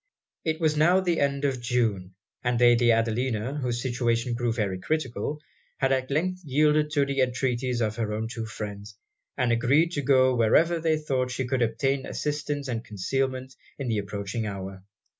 It was now the end of June; and Lady Adelina, whose situation grew very critical, had at length yielded to the entreaties of her two friends, and agreed to go wherever they thought she could obtain assistance and concealment in the approaching hour.